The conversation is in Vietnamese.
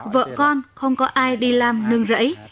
vợ con không có ai đi làm nương rẫy